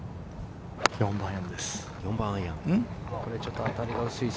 ４番アイアンです。